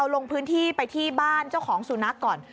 ลงพื้นที่ไปที่บ้านเจ้าของสุนัขก่อน